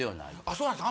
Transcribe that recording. そうなんす